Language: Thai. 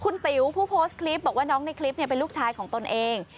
คุณติ๋วผู้โพสต์คลิปบอกว่าน้องในคลิปเป็นลูกชายของตนเอง